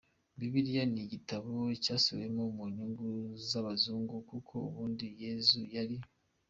Bibiliya ni igitabo cyasubiwemo mu nyungu z’abazungu kuko ubundi yezu yari .